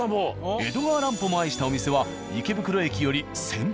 江戸川乱歩も愛したお店は池袋駅より先輩？